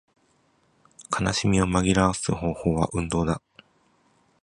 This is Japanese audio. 悲しみを紛らわす方法は運動だ